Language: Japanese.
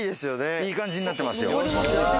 いい感じになってます。